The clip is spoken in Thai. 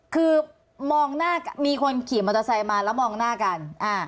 คือมองหน้ามีคนขี่มอเตอร์ไซค์มาแล้วมองหน้ากัน